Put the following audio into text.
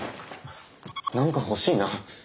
何か欲しいな。